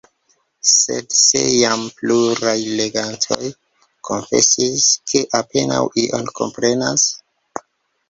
Sed se jam pluraj legantoj konfesis, ke apenaŭ ion komprenas?